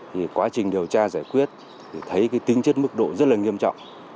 thì quá trình điều tra giải quyết thì thấy cái tính chất mức độ rất là nghiêm trọng